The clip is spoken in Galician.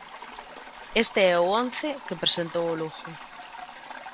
Este é o once que presentou o Lugo.